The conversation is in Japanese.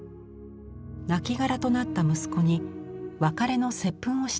なきがらとなった息子に別れの接吻をしているのです。